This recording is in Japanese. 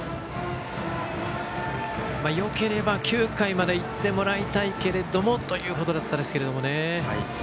よければ９回までいってもらいたいけれどもということでしたけどね。